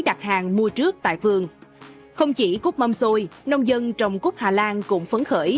đặt hàng mua trước tại phường không chỉ cút mâm xôi nông dân trồng cút hà lan cũng phấn khởi